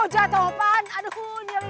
jatoh pan sakit